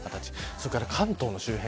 それから関東の周辺